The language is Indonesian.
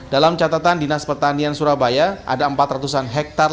dalam catatan dinas petanian surabaya ada empat ratus an hektare lahan sawah yang sudah tidak ada